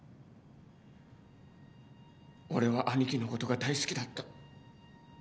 俺は兄貴のことが大好きだった。